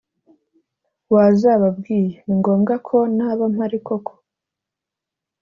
wazababwiye ningombwa ko naba mpari koko!"